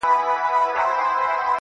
o كه ملاقات مو په همدې ورځ وسو.